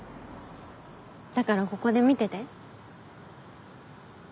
だからここで見てて。